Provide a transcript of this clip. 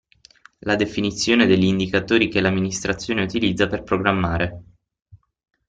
La definizione degli indicatori che l'amministrazione utilizza per programmare.